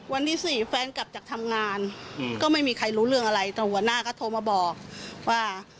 วันที่สี่แฟนกลับจากทำงานก็ไม่มีใครรู้เรื่องอะไรแต่หัวหน้าก็โทรมาบอกว่า